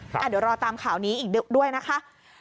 เดี๋ยวรอตามข่าวนี้อีกด้วยนะคะ